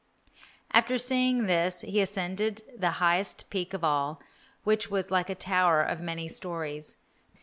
After seeing this he ascended the highest peak of all, which was like a tower of many stories.